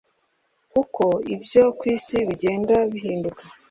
kuko ibyo ku isi bigenda bihinduka.